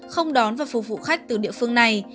không đón và phục vụ khách từ địa phương này